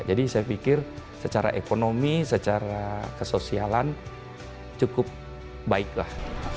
jadi saya pikir secara ekonomi secara kesosialan cukup baik lah